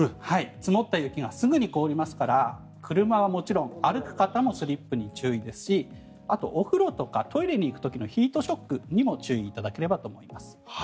積もった雪がすぐに凍りますから車はもちろん歩く方もスリップに注意ですしあと、お風呂とかトイレに行く時のヒートショックにも注意いただければと思います。